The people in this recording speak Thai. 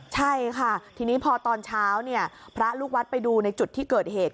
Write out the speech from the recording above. ใช่ค่ะทีนี้พอตอนเช้าเนี่ยพระลูกวัดไปดูในจุดที่เกิดเหตุ